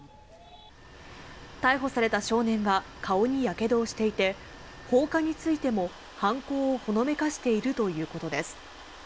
逮捕された少年は顔にやけどをしていて放火についても犯行をほのめかしているということです。